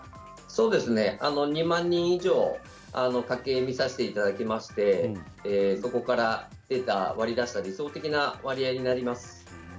そうですね２万人以上の家計を見させていただきましてそこから割り出した理想的な割合になります。